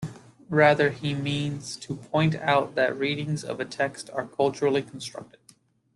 Rather, he means to point out that readings of a text are culturally constructed.